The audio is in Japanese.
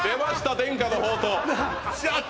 伝家の宝刀社長